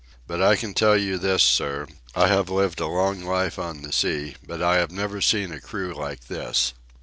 But I can tell you this, sir: I have lived a long life on the sea, but I have never seen a crew like this.